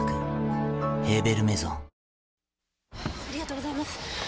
ありがとうございます。